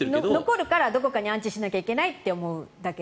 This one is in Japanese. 残るどこかに安置しなきゃいけないと思うだけで。